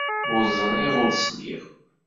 Ur ẓriɣ ur sliɣ.